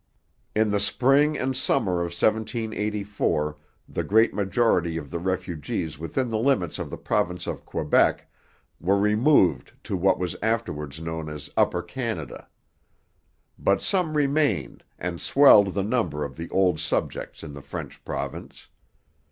In the spring and summer of 1784 the great majority of the refugees within the limits of the province of Quebec were removed to what was afterwards known as Upper Canada. But some remained, and swelled the number of the 'old subjects' in the French province.